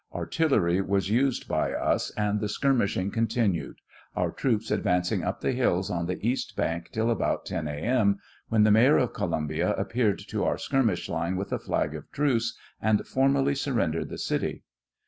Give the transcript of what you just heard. Artillery was used by us, and the skirmishing continued, our troops advancing up the hills on the east bank till about ten A. M., when the Mayor of Columbia appeared to our skirmish line with a flag of truce, and formally surren dered the city.